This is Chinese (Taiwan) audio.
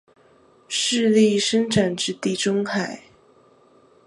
勢力伸展至地中海